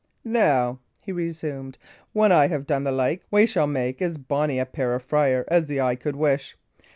"Now," he resumed, "when I have done the like, we shall make as bonny a pair of friars as the eye could wish.